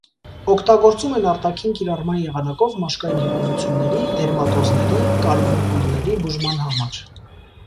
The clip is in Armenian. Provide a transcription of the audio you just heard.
Օգտագործում են արտաքին կիրառման եղանակով մաշկային հիվանդությունների՝ դերմատոզների, կարբունկուլների բուժման համար։